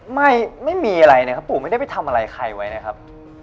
ไม่มีอะไรนะครับปู่ไม่ได้ไปทำอะไรใครไว้นะครับ